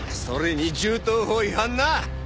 それに銃刀法違反な！